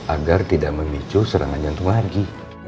agar tidak memicu serangan jantung lagi